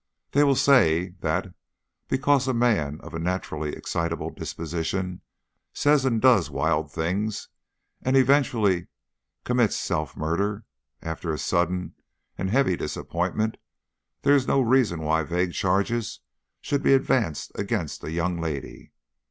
They will say that, because a man of a naturally excitable disposition says and does wild things, and even eventually commits self murder after a sudden and heavy disappointment, there is no reason why vague charges should be advanced against a young lady.